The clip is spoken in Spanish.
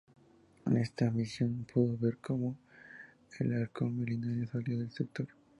En esta misión pudo ver como el Halcón Milenario salía del sector.